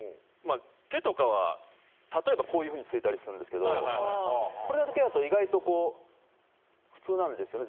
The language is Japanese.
手とかは例えばこういうふうについたりするんですけどこれだけだと意外とこう普通なんですよね